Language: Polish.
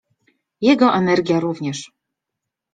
Jego energia również.